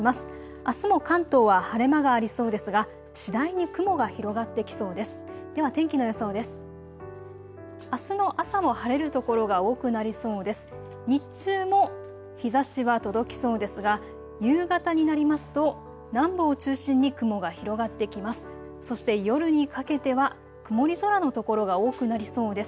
あすも関東は晴れ間がありそうですが次第に雲がが広がってきそうです。